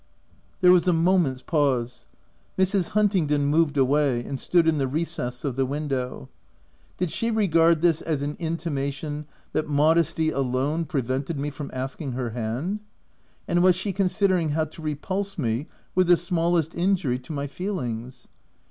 There was a moment's pause. Mrs. Hun tingdon moved away, and stood in the recess of the window. Did she regard this as an inti mation that modesty alone prevented me from asking her hand ? and was she considering how to repulse me with the smallest injury to my feelings